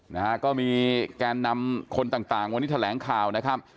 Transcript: นะฮะก็มีแกนนำคนต่างต่างวันนี้แถลงข่าวนะครับ